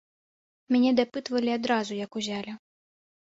Мяне дапытвалі адразу, як узялі.